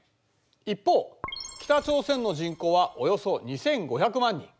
一方北朝鮮の人口はおよそ２，５００万人。